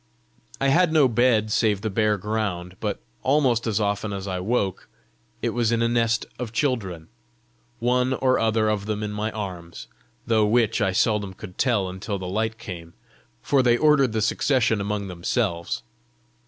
I had no bed save the bare ground, but almost as often as I woke, it was in a nest of children one or other of them in my arms, though which I seldom could tell until the light came, for they ordered the succession among themselves.